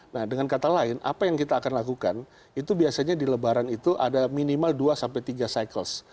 nah dengan kata lain apa yang kita akan lakukan itu biasanya di lebaran itu ada minimal dua tiga cycles